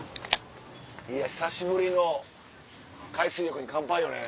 いや久しぶりの海水浴に乾杯よね。